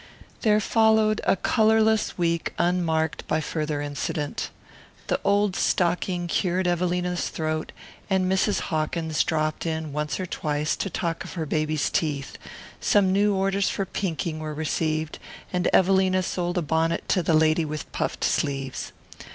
There followed a colourless week unmarked by farther incident. The old stocking cured Evelina's throat, and Mrs. Hawkins dropped in once or twice to talk of her baby's teeth; some new orders for pinking were received, and Evelina sold a bonnet to the lady with puffed sleeves.